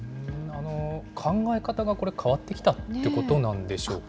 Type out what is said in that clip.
考え方が、これ、変わってきたってことなんでしょうか。